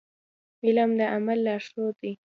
علم د عمل لارښود دی.